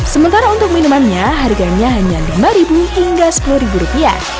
sementara untuk minumannya harganya hanya rp lima hingga rp sepuluh